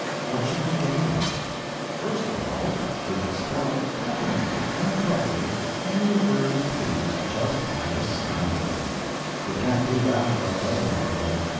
What should we gain? First of all, we could spell definitely—and correctly—any word you please, just by the _sound _of it. We can't do that with our present alphabet.